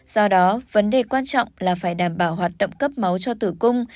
do đó vấn đề quan trọng là phải đảm bảo hoạt động cấp máu cho tử cung